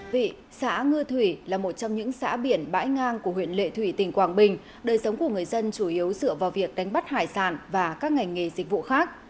vị xã ngư thủy là một trong những xã biển bãi ngang của huyện lệ thủy tỉnh quảng bình đời sống của người dân chủ yếu dựa vào việc đánh bắt hải sản và các ngành nghề dịch vụ khác